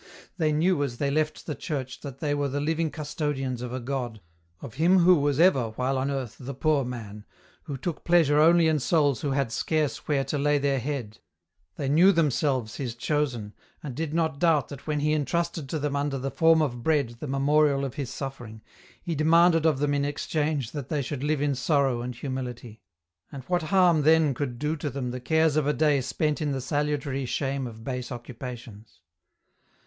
They knew as they left the church that they were the living custodians of a God, of Him who was ever while on earth the Poor Man, who took pleasure only in souls who had scarce where to lay their head ; they knew themselves His chosen, and did not doubt that when He entrusted to them under the form of bread the memorial of His suffering. He demanded of them in exchange that they should live in sorrow and humility. And what harm then could do to them the cares of a day spent in the salutary shame of base occupations